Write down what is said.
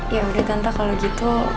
ya udah tante kalau gitu